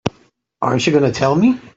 Aren't you going to tell me?